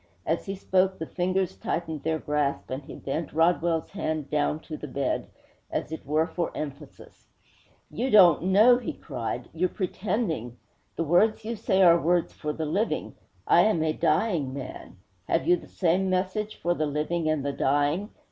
As he spoke, the fingers tightened their grasp, and he bent Rodwell's hand down to the bed, as it were for emphasis. 'You don't know,' he cried. 'You're pretending. The words you say are words for the living. I am a dying man. Have you the same message for the living and the dying?